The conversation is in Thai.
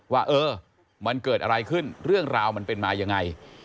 ว่าเออมันเกิดอะไรขึ้นเรื่องราวมันเป็นมายังไง